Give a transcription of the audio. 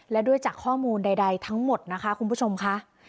และด้วยจากข้อมูลใดทั้งหมดนะคะคุณผู้ชมค่ะ